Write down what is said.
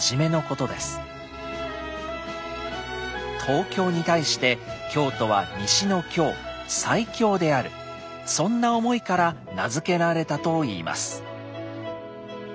東京に対して京都は西の京「西京」であるそんな思いから名付けられたといいます。